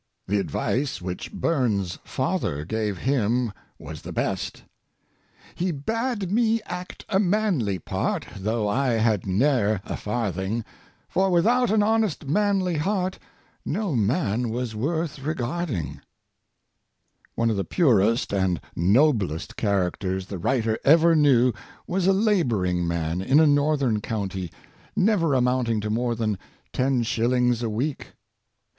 The advice which Burns 's father gave him was the best: He bade me act a manly part, though I had ne'er a farthing, For without an honest manly heart no man was worth regarding." One of the purest and noblest characters the writer ever knew was a laboring man in a northern county, who brought up his family respectably on an income never amounting to more than ten shillings a week.